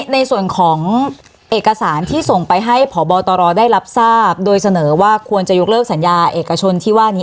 ในส่วนของเอกสารที่ส่งไปให้พบตรได้รับทราบโดยเสนอว่าควรจะยกเลิกสัญญาเอกชนที่ว่านี้